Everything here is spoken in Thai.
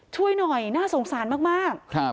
ช่วยหน่อยน่าสงสารมาก